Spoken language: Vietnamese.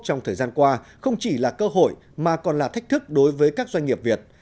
trong thời gian qua không chỉ là cơ hội mà còn là thách thức đối với các doanh nghiệp việt